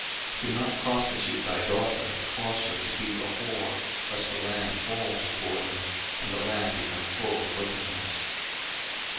03:019:029 Do not prostitute thy daughter, to cause her to be a whore; lest the land fall to whoredom, and the land become full of wickedness.